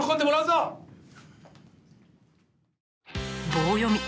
棒読み。